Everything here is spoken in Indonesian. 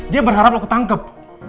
dia berharap lo ketangkep